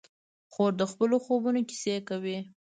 خور د خپلو خوبونو کیسې کوي.